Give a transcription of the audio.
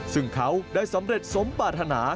ซึ่งเขาได้สำเร็จสมปรารถนา